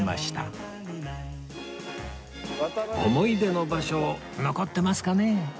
思い出の場所残ってますかね？